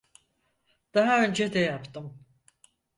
Daha önce de yaptım.